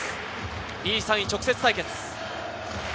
２位３位直接対決。